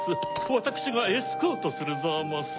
わたくしがエスコートするザマス。